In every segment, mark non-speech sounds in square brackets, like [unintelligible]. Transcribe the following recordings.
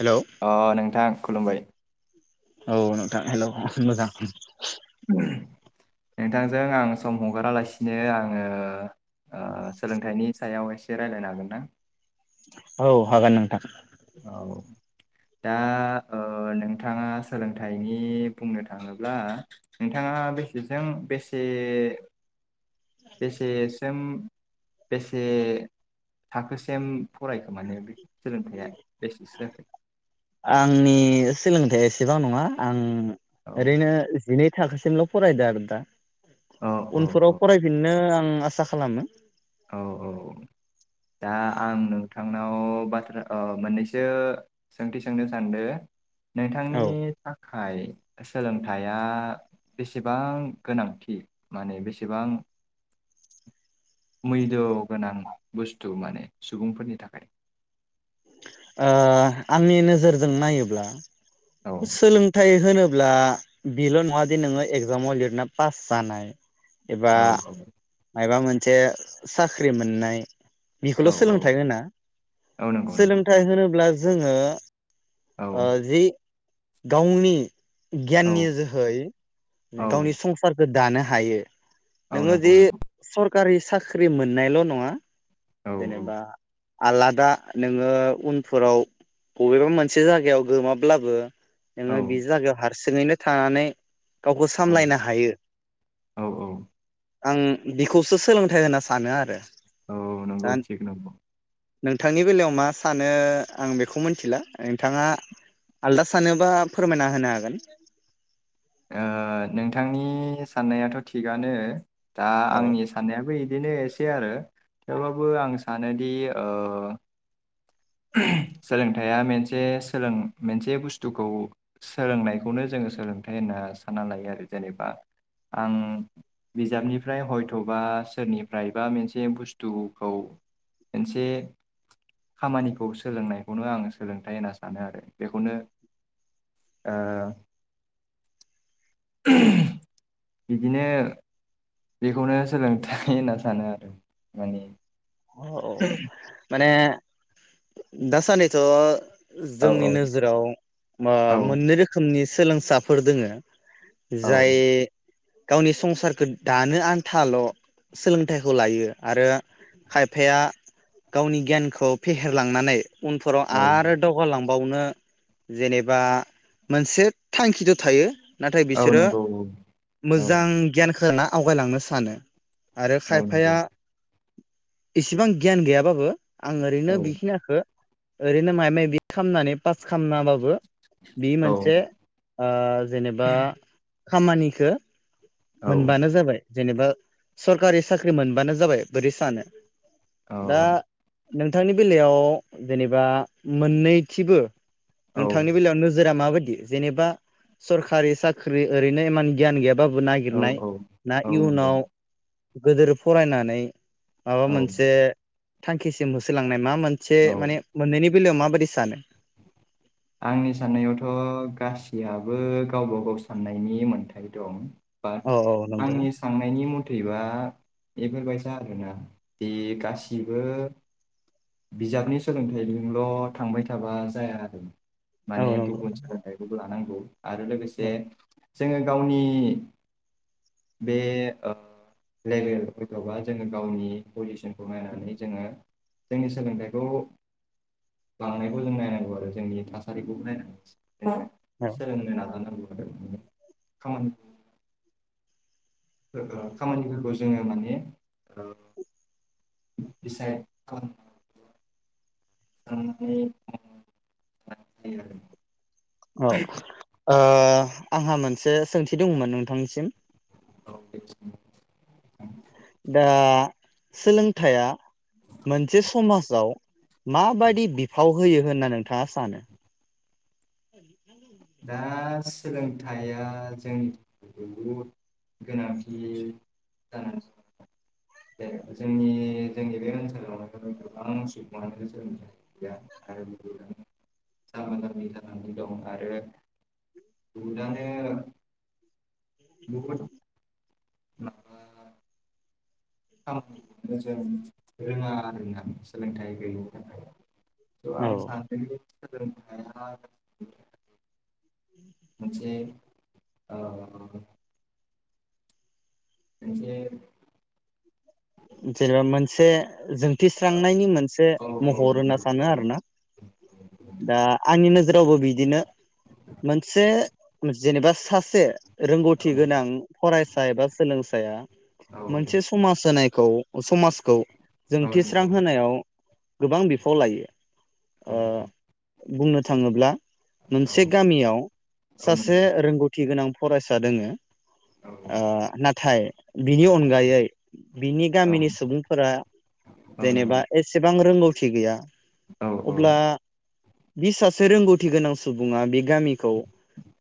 Hello औ अ नोंथां खुलुमबाय। औ नोंथां हेलौ मोजां। नोंथांजों आं सम हगारालासिनो आंङो सोलोंथाइनि सायाव एसे राय्लायनो हागोनदा। औ हागोन नोंथां। औ दा नोंथाङा सोलोंथाइनि बुंनो थांङोब्ला नोंथाङा बेसेजों बेसे बेसेसिम। बेसे। थाखोसिम। फरायखो माने बे सोलोंथाइया। बेसेसो जाखो आंनि सोलोंथाय एसेबां नंङा आं। औ ओरैनो जिनै थाखोसिमल फरायदों आरो दा। औ औ उनफोराव फरायफिननो आं आसा खालामो। औ औ दा आं नोंथां आंनाव बाथ्रा मोननैसो सोंथि सोंनो सानदों। नोंथांनि औ ओ थाखाय सोलोंथाइया बेसेबां गोनांथि माने बेसेबां मैल गोनां बुस्थु माने सुबुंफोरनि थाखाय। ओ आंनि नोजोरजों नायोब्ला। औ सोलोंथाइ होनो ब्ला बेल' नङा दे नोङो एगजामाव लिरना पास जानाय। औ औ। माबा मोनसे साख्रि मोननाय औ बेखौल' औ सोलोंथाइ होना औ नंगौ नंगौ सोलोंथाइ होनोब्ला जोङो। औ ओ जि गावनि औ गियाननि जोहै औ गावनि संसार दानो हायो। औ नोङो जि नंगौ नंगौ सर खारि साख्रि मोननायल' नङा औ जेनेबा आलादा नोङो उनफोराव बबेबा मोनसे जायगायाव गोमाब्लाबो औ नोङो बि जागायाव हार सिङैनो थानानै गावखौ औ सामलायनो हायो। औ औ आं बिखौसो सोलोंथाइ होना सानो आरो औ दा नंगौथिग नंगौ नोंथांनि बेलायाव मा सानो आं बेखौ मिथिला नोंथाङा आलदा सानोबा फोरमायना होनो हागोन। ओ नोंथांनि साननायाथ' थिगानो‌ दा औ आंनि साननायाबो बिदिनो एसे आरो थेवब्लााबो आं सानोदि ओ सोलोंथाइआ मोनसे सोलों मोनसे बुस्थुखौ सोलोंनायखौनो जोङो सोलोंथाइ होनना सानना लायो आरो जेनेबा आं बिजाबनिफ्राय हयथ'बा सोरनिफ्रायबा मोनसे बुस्थुखौ मोनसे खामानिखौ सोलोंनायखौनो आं सोलोंथाइ होनना सानो आरो बेखौनो ओ बिदिनो बेखौनो सोलोंथाइ होनना सानो आरो माने औ औ माने दासानैथ' औ जोंनि नोजोराव मा औ मोननै रोखोमनि सोलोंसाफोर दोङो औ जाय गावनि संसारखौ दानो आन्थाल' सोलोंथाइखौ लायो आरो खायफाया गावनि गियानखौ फेहेरलांनानै उनफोराव औ आरो दावगा लां बावनो जेनेबा मोनसे थांखिथ' थायो। नाथाय औ बिसोरो, नंगौ औ औ मोजां गियानखौ ना आवगायलांनो सानो आरो औ नंगौ खायफाया इसिबां गियान गैयाबाबो आं औ ओरैनो बेखिनियाखो ओरैनो माय मायदि खालामनानै पास खालामनाबाबो बि औ मोनसे ओ जेनेबा खामानिखौ। औ मोनबानो जाबाय। जेनेबा सरकारि साख्रि मोनबानो जाबाय बिदि सानो। दा औ नोंथांनि बेलायाव जेनेबा मोननैथिबो। नोंथांनि बेलायाव नोजोरा माबायदि? जेनेबा सरकारि साख्रि ओरैनो इमान गियान गैयाबाबो। औ नाय ना औ नंगौ इयुनाव गोदोर फरायनानै माबा औ मोनसे थांखिसिम होसोलांनाय। मा मोनसे औ माने मोनैनि माबाददि सानो? आंनि साननायावथो गासीआबो गावबा गाव साननाय नि मोन्थाय दं। बा औ औ नंगौ आंनि साननायनि मथेबा दा बेफोरबायसा आरोना, दि गासिबो बिजाबनि सोलोंथाइजोंल' थांबाय थाबा जाया आरो ना। औ माने नंगौ गुबुन सोलोंथाइखौबो लानांगौ। आरो लोगोसे औ जोङो गावनि बे ओ लेभेल हयथ'बा जोंङो गावनि पजिसनखौ नायनानै जोंङो, जोंनि सोलोंथाइखौ लांनायखौ जों नायनांगौ आरो। जोंनि थास बेखौबो नायनांगौ। सोलोंनो नाजानांगौ। खामानि खामानिफोरखौ जोंङो माने ओ दिसाइद खालाम नानै लानाय जायो आरो औ ओ ओ आंहा मोनसे सोंथि दङमोन नोंथांनिसिम? औ दे सों। दा सोलोंथाया मोनसे समाजाव माबादि बिफाव होयो होनना नोंथांङा सानो? दा सोलोंथाइया जोंनि थाखाय बहुद गोनांथि जानानै फैदों जोंनि जोंनि बे ओनसोलावनो गोबां सुबुङानो जोनोम गैया आरो बहुदनो जामबा जामि जानानै दं आरो बहुदआनो बहुत [unintelligible] [unintelligible] जों रोङा आरो ना सोलोंथाइ गैयैनि थाखाय थ आं औ सानदोंदि सोलोंथाया जोंनि मोनसे ओ मोनसेे जेनेबा मोनसे जोंथिस्रांनायनि मोनसे महर होनना सानो औ आरोना दा आंनि नोजोरावबो बिदिनो मोनसे जेनेबा सास से रोंगौथि गोनां फरायसा एबा सोलोंसाया औ मोनसे समाज होनाय खौ समाजखौ जों थिस्रां नंगौ होनायाव गोबां बिफाव लायो। औ अ बुंनो थाङोब्ला मोनसे गामियाव औ नंगौ औ नंगौ औ सासे नंगौ रोंग' थि गोनां फरायसा दोङो औ ओ औ नाथाय बिनि अनगायै बिनि गामिनि सुबुंफोरा जेनेबा नंगौ एसेबां रोंगौ थि गैया। औ औ। अब्ला बि सासे रोंगौथि गोनां सुबुङा बि गामिखौ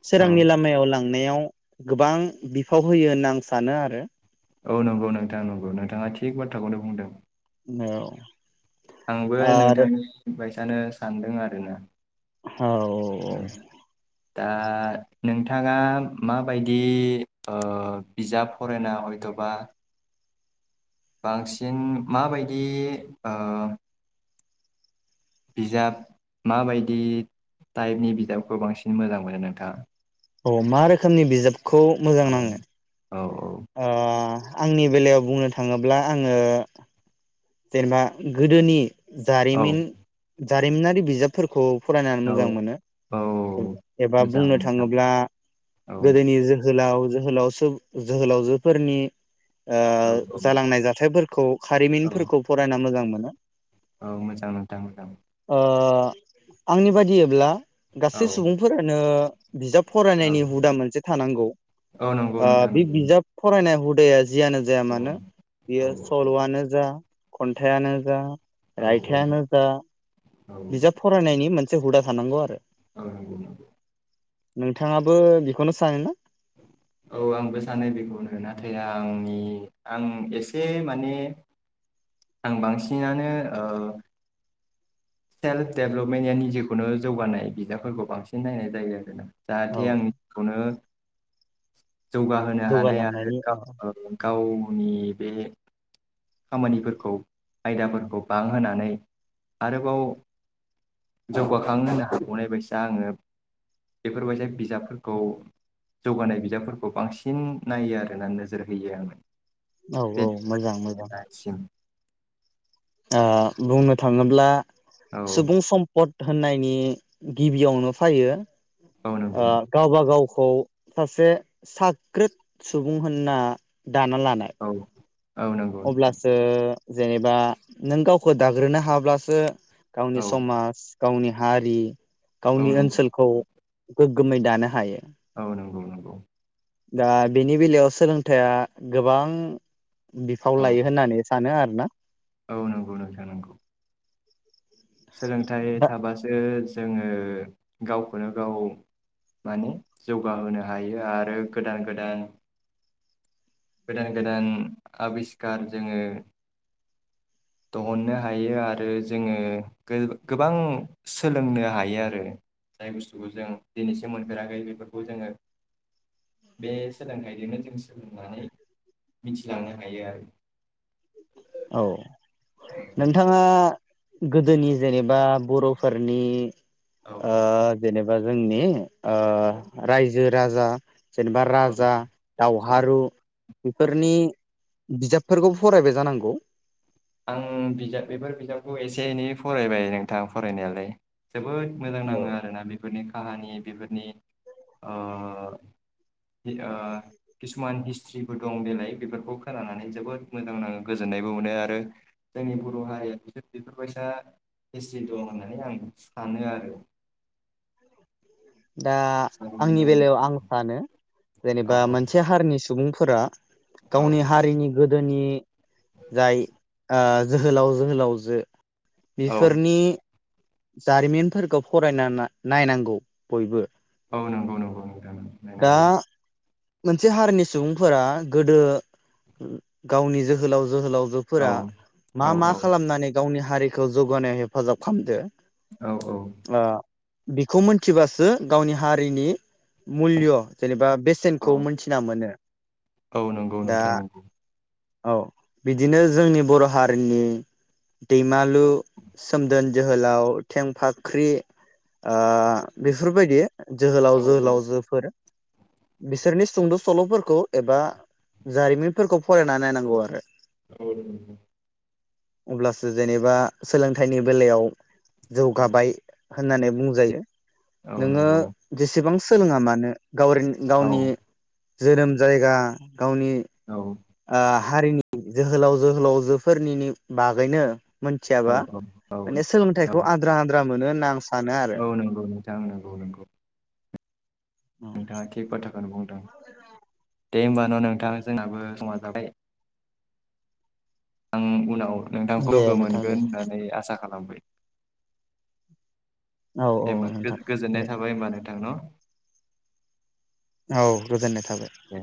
औ औ सोरांनि लामायाव लांनायाव गोबां बिफाव होयो होनना आं सानो आरो। औ नंगौ नोंथां नंगौ नोंथाङा थिग बाथ्राखौनो बुंदों। औ। आंबो आरो नोंथांनि [unintelligible] जानो सानदों आरोना। औ औ। दा नोंथाङा माबायदि ओ बिजाब फरायना हयथ'बा बांसिन माबायदि ओ बिजाब माबायदि टाइपनि बिजाबखौ बांसिन मोजां मोनो नोंथाङा? औ मा रोखोमनि बिजाब खौ मोजां नाङो? औ औ। ओ आंनि बेलायाव बुंनो थाङोब्ला आङो जेनेबा गोदोनि औ जारिमिन जारिमिनारि बिजाबफोरखौ फरायनानै औ मोजां मोनो औ एबा मोजां बुंनो नोंथां थाङोब्ला औ गोदोनि जोहोलाव जोहोलाव सो जोहोलावजोफोरनि औ ओ जालांनाय जाथायफोर खौ औ खारिमिनफोर फरायना मोजां मोनो। औ मोजां नोथां मोजां। ओ आंनि बादियैब्ला औ गासै सुबुंफोरानो बिजाब औ फरायनायनि हुदा मोनसे थानांगौ औ नंगौ नोंथां बे नंगौ बिजाब फरायनाय हु [unintelligible] जियानो जाया मानो औ बियो सल'आनो जा खन्थायानो जा औ रायथायानो जा बिजाब फरायनायनि मोनसे हुदा थानांगौ आरो। औ नंगौ नंगौ। नोंथाङाबो बेखौनो सानोना? औ आंबो सानो बेखौनो नाथाय आंनि आं एसे माने आं बांसिनानो ओ सेल्फ डेभेलपमेन्टनि जेखुनु जौगानाय बिजाबफोरखौ बांसिन नायनाय जायो आरो ना। औ जाहाथे आंनि खौनो [inaudible] जौगाहोनो हानाय आरो जौगालांनायनि औ गाव गाव नि बे खामानिफोरखौ आयदाफोरखौ बांहोनानै आरोबाव जौगाखां होनो हाबावनाय बायदिसो आङो बेफोरबायदि बिजाबफोरखौ जौगानाय बिजाबफोरखौ बांसिन नायो आरो ना नोजोर होयो आङो। औ बे औ मोजां मोजां। [unintelligible] ओ बुंनो थाङोब्ला औ सुबुं सम्पद होननायनि गिबियावनो फैयो औ नंगौ ओ गावब गाव औ सासे साग्रिद सुबुं होनना दाना लानाय औ औ नंगौ नोंथां अब्लासो जेनेबा नों गावखौ दाग्रोनो हाब्लासो गावनि औ समाज गावनि हारि औ गावनि नंगौ ओनसोलखौ गो गोमै दानो हायो। औ नंगौ नंगौ। दा बेनि बेलायाव सोलोंथाइया गोबां बिफाव औ लायो होननानै सानो आरो। ना? औ नंगौ नोंथां नंगौ। सोलोंथाइ दा थाबासो जोंङो गावखौनो गाव माने जौगाहोनो हायो आरो गोदान गोदान गोदान गोदान आबिस्कखार जोंङो दिहुननो हायो आरो जोंङो गोबां सोलोंनो हायो आरो जाय बुस्थुखौ जों दिनैसिम मोनफेराखै बेफोरखौ जोंङो बे सोलोंथाइजोंनो जों सोलोंनानै मिथिलांनो हायो आरो। औ। नोंथांङा गोदोनि जेनेबा बरफोरनि ओ औ जेनेबा जोंनि ओ रायजो राजा जेनेबा औ राजा औ दावहारु औ बेफोरनि बिजाबफोरखौ फरायबाय जानांगौ। आं बिजाब बेफोर बिजाबखौ एसे एनै फरायबाय नोंथां फरायनायालाय। जोबोद मोजां औ नांङो आरोना बेफोरनि। काहानि बेफोरनि ओ किसुमान हिस्ट्रिबो दं देलाय बेफोरखौ खोनानानै जोबोद मोजां नांङो गोजोननायबो मोनो आरो। जोंनि बर हारिया बिसोर बेफोरबायसा एसि दं होननानै आं सानो आरो। दा साननानै आंनि दङ बेलायाव आं सानो। औ जेनेबा मोनसे हारिनि सुबुं फोरा औ गावनि हारिनि गोदोनि जाय ओ जोहोलाव जोहोलाव जो औ इसोरनि जारिमिनफोरखौ फरायना नायनांगौ बयबो औ नंगौ नंगौ नोंथां दा नायनांगौ। मोनसे हारिनि सुबुंफोरा गोदो गावनि जोहोलाव औ जोहोलावजोफोरा मा मा औ खालामनाय गावनि हारिखौ जौगानायाव हेफाजाब खामदो औ औ। बेखौ मिनथिबासो गावनि हारिनि मुल्य जेनेबा औ बेसेनखौ मोनथिना मोनो। औ नंगौ दा नोंथां नंगौ। औ बिदिनो जोंनि बर हारिनि दैमालु सोमदोन जोहोलाव थेंफाख्रि ओ बेफोरबायदि जोहोलाव औ जोहोलावजोफोर बिसोरनि सुंद‌ सलफोरखौ एबा जारिमिनफोरखौ फरायना नायनांगौ आरो औ नंगौ। अब्लासो जेनेबा सोलोंथाइनि बेलायाव औ जौगाबाय होननानै बुंजायो। औ नोंङो नंगौ जेसेबां सोलोंङा मानो गावरिं औ गावनि जोनोम जायगा गावनि औ। ओ हारिनि जोहोलाव जोहोलावजोफोरनिनो बागैनो मोनथियाबा औ माने औ सोलोंथाइखौ आद्रा आद्रा मोनो होना आं सा औ नंगौ नोंथां नंगौ नंगौ। नोंथाङा थिक खथा खौनो बुंदों दे होमबा। नोंथां जोंनाबो समा जाबाय आं उनाव नोंथांग्रौ दे लोगो नोंथां दे मोनगोन होननानै आसा खाला मबाय। औ औ दे होनबा नोंथां दे गो-गोजोननाय थाबाय होनबा नोंथां न'। औ गोजोननाय थाबाय। दे